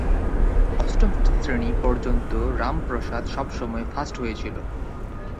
অষ্টম শ্রেণী পর্যন্ত রামপ্রসাদ সবসময় ফাস্ট হয়েছিল।